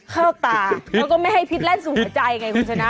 เข้าตาแล้วก็ไม่ให้พิษแล่นสู่หัวใจไงคุณชนะ